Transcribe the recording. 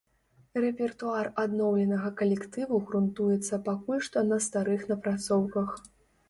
Рэпертуар адноўленага калектыву грунтуецца пакуль што на старых напрацоўках.